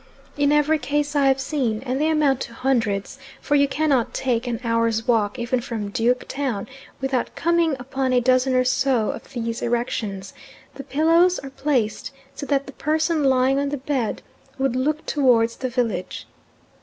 In every case I have seen and they amount to hundreds, for you cannot take an hour's walk even from Duke Town without coming upon a dozen or so of these erections the pillows are placed so that the person lying on the bed would look towards the village.